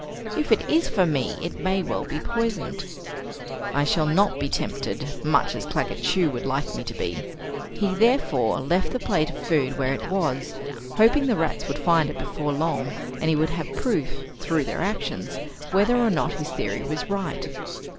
If it is for me, it may well be poisoned. I shall not be tempted, much as Claggett Chew would like me to be! He therefore left the plate of food where it was, hoping the rats would find it before long and he would have proof, through their actions, whether or not his theory was right.